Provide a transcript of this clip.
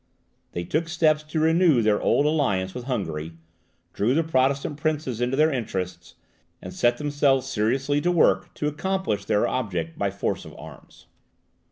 They took steps to renew their old alliance with Hungary, drew the Protestant princes into their interests, and set themselves seriously to work to accomplish their object by force of arms.